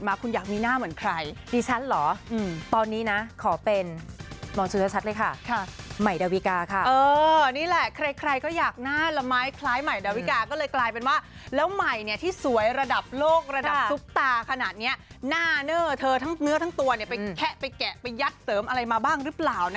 มาคุณอยากมีหน้าเหมือนใครดิฉันเหรอตอนนี้นะขอเป็นม